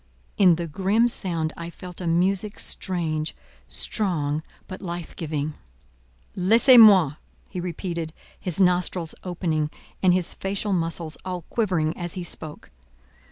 in the grim sound I felt a music strange, strong, but life giving. "Laissez moi!" he repeated, his nostrils opening, and his facial muscles all quivering as he spoke.